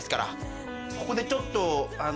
ここでちょっと。